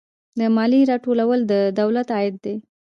د مالیې راټولول د دولت عاید دی